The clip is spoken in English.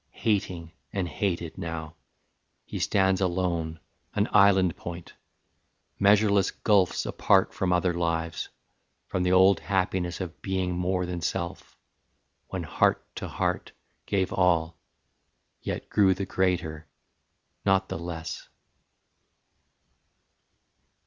Hating and hated now, he stands alone, An island point, measureless gulfs apart From other lives, from the old happiness Of being more than self, when heart to heart Gave all, yet grew the greater, not the less.